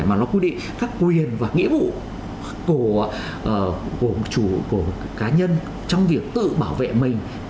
mà nó quy định các quyền và nghĩa vụ của chủ của cá nhân trong việc tự bảo vệ mình